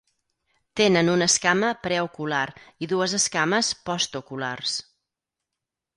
Tenen una escama preocular i dues escames postoculars.